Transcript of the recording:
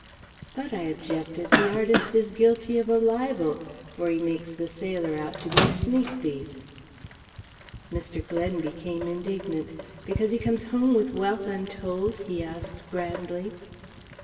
"But," I objected, "the artist is guilty of a libel, for he makes the sailor out to be a sneak thief." Mr. Glen became indignant. "Because he comes home with wealth untold?" he asked grandly.